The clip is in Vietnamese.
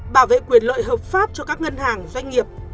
bảo vệ quyền lợi hợp pháp cho các ngân hàng doanh nghiệp